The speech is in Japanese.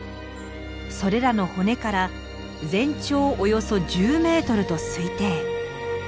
それらの骨から全長およそ１０メートルと推定。